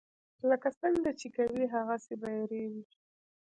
لکه څنګه چې کوې هغسې به ریبې.